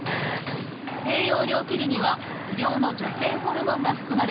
低用量ピルには微量の女性ホルモンが含まれています。